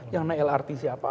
yang naik lrt siapa